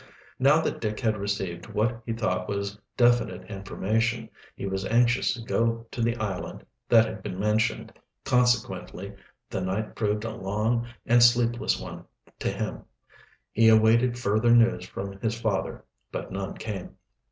Now that Dick had received what he thought was definite information, he was anxious to go to the island that had been mentioned, consequently the night proved a long and sleepless one to him. He awaited further news from his father, but none came.